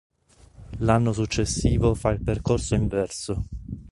L'anno successivo fa il percorso inverso.